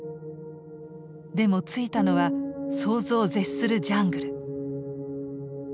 でも着いたのは想像を絶するジャングル。